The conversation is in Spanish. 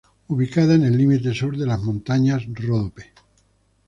Ubicada en el límite sur de las montañas Ródope.